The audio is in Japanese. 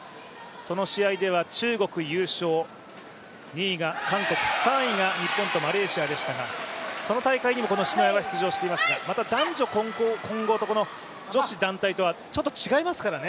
その試合では中国優勝、２位が韓国３位が日本とマレーシアでしたが、その大会にもこの篠谷は出場していますがまた男女混合と女子団体とはちょっと違いますからね。